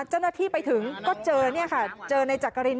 เจ้าหน้าที่ไปถึงก็เจอเนี่ยค่ะเจอในจักริน